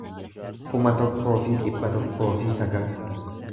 kuma tokkoo fi dhibba tokkoo fi sagal